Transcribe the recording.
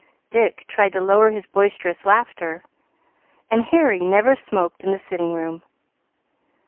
Dick tried to lower his boisterous laughter, and Harry never smoked in the sitting room.